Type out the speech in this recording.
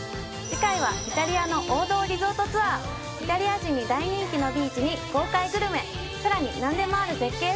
次回はイタリアの王道リゾートツアーイタリア人に大人気のビーチに豪快グルメさらに何でもある絶景